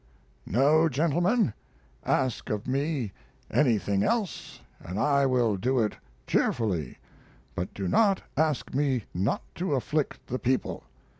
No, gentlemen, ask of me anything else and I will do it cheerfully; but do not ask me not to afflict the people.